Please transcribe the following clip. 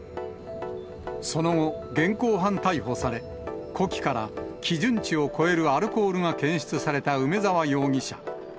その後、現行犯逮捕され、呼気から基準値を超えるアルコールが検出された梅沢容疑者。